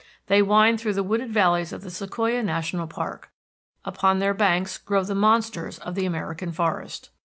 They wind through the wooded valleys of the Sequoia National Park. Upon their banks grow the monsters of the American forest.